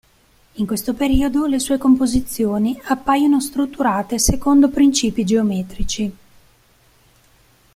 In questo periodo le sue composizioni appaiono strutturate secondo principi geometrici.